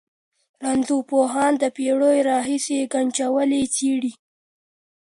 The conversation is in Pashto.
رنځپوهان د پېړیو راهېسې ګنجوالي څېړي.